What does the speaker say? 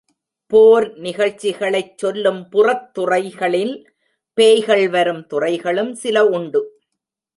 போர் நிகழ்ச்சிகளைச் சொல்லும் புறத் துறைகளில் பேய்கள் வரும் துறைகளும் சில உண்டு.